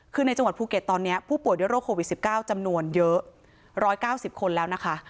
คือในจังหวัดภูเก็ตตอนนี้ผู้ป่วยด้วยโรคโควิด๑๙จำนวนเยอะ๑๙๐คนแล้วนะคะ